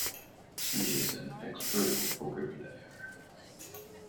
She is an expert poker player.